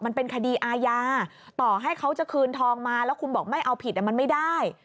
มันเป็นคดีอาญาต่อให้เขาจะคืนทองมาแล้วคุณบอกไม่เอาผิดมันไม่ได้